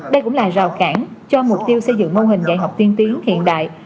đây cũng là rào cản cho mục tiêu xây dựng mô hình dạy học tiên tiến hiện đại